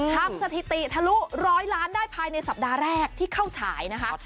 สถิติทะลุร้อยล้านได้ภายในสัปดาห์แรกที่เข้าฉายนะคะ